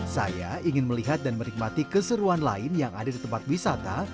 saya ingin melihat dan menikmati keseruan lain yang ada di tempat wisata